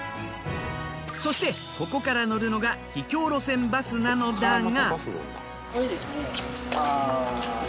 そしてここから乗るのが秘境路線バスなのだが。